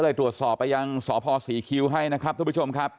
แล้วก็ทำให้กล้าปเหล้า